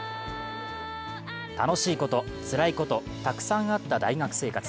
楽しいこと、つらいこと、たくさんあった大学生活。